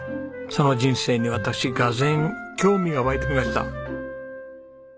その人生に私がぜん興味が湧いてきました。